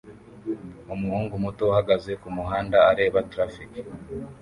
Umuhungu muto uhagaze kumuhanda areba traffic